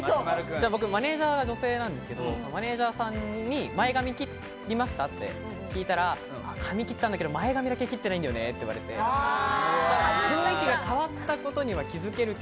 マネジャーが女性なんですけれど、前髪切りました？って聞いたら、髪切ったんだけれど前髪だけ切っていないって言われて、雰囲気が変わったことに気づけること。